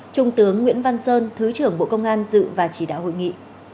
chủ trưởng bộ công an dự và chỉ đạo hội nghị